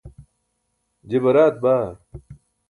je baraat baa.